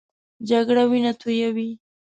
جګړه وینه تویوي